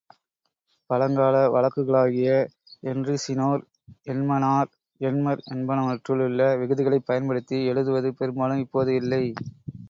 பழங்கால வழக்குகளாகிய என்றிசினோர், என்மனார், என்மர் என்பனவற்றிலுள்ள விகுதிகளைப் பயன்படுத்தி எழுதுவது பெரும்பாலும் இப்போது இல்லை.